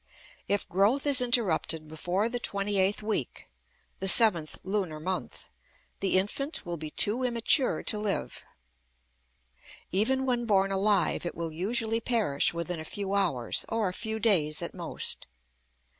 If growth is interrupted before the twenty eighth week (the seventh lunar month), the infant will be too immature to live. Even when born alive, it will usually perish within a few hours, or a few days at most.